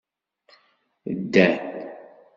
Ddan.